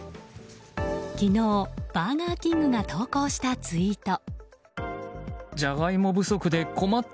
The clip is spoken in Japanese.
昨日、バーガーキングが投稿したツイート。